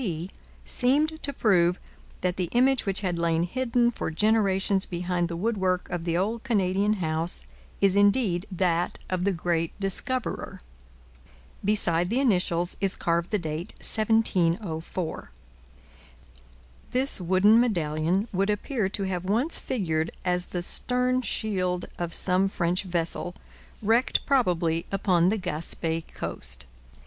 C. seemed to prove that the image which had lain hidden for generations behind the woodwork of the old Canadian house is indeed that of the great discoverer. Beside the initials is carved the date 1704.. This wooden medallion would appear to have once figured as the stern shield of some French vessel, wrecked probably upon the Gaspe coast.